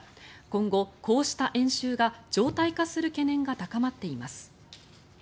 今後、こうした演習が常態化する懸念が高まっています。